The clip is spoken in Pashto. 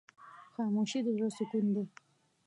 خاموشي، د زړه سکون دی.